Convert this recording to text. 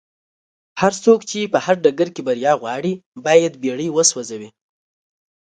هرڅوک چې په هر ډګر کې بريا غواړي بايد بېړۍ وسوځوي.